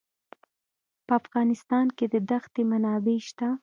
په افغانستان کې د دښتې منابع شته.